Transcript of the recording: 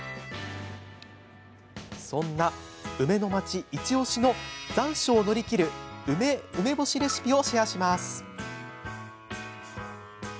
そんな梅の町イチおしの残暑を乗り切る梅干しレシピをシェアします。